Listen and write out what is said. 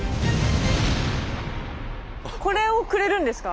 これをくれるんですか？